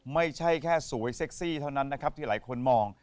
ไม่ใช่แค่สวยเซ็กซี่เท่านั้นนะครับที่หลายคนมอง